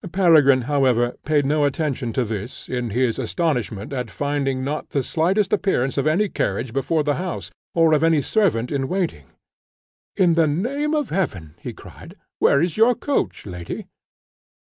Peregrine, however, paid no attention to this, in his astonishment at finding not the slightest appearance of any carriage before the house, or of any servant in waiting. "In the name of Heaven," he cried, "where is your coach, lady?"